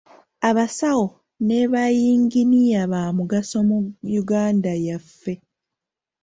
Abasawo ne bayinginiya baamugaso mu Uganda yaffe.